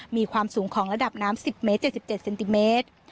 มีความสูงของระดับน้ำ๑๐เมตร๗๗เซนติเมตร